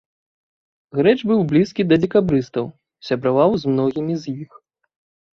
Грэч быў блізкі да дзекабрыстаў, сябраваў з многімі з іх.